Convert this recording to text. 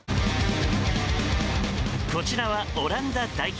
こちらはオランダ代表。